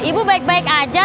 ibu baik baik aja